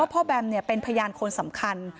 พ่อแบมเนี่ยเป็นพยานคนสำคัญ